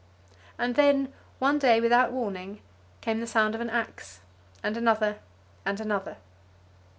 And then, one day without warning came the sound of an ax, and another and another.